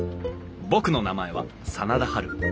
僕の名前は真田ハル。